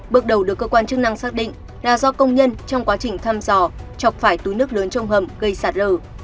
bước đầu được cơ quan chức năng xác định là do công nhân trong quá trình thăm dò chọc phải túi nước lớn trong hầm gây sạt lở